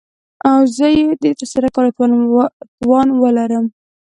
او زه يې دترسره کولو توان وه لرم .